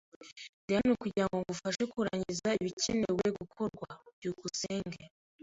Ndi hano kugirango ngufashe kurangiza ibikenewe gukorwa. byukusenge